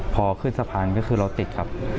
พอขึ้นสะพานก็คือรถติดกับ